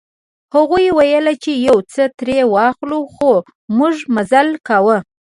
هغوی ویل چې یو څه ترې واخلو خو موږ مزل کاوه.